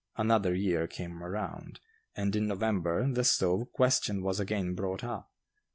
Another year came around, and in November the stove question was again brought up.